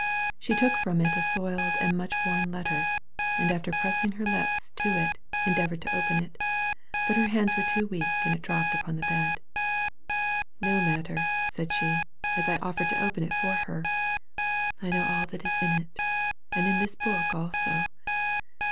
She took from it a soiled and much worn letter, and after pressing it to her lips, endeavored to open it but her hands were too weak, and it dropped upon the bed. "No matter," said she, as I offered to open it for her; "I know all that is in it, and in that book also.